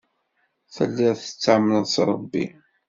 Telliḍ tettamneḍ s Ṛebbi.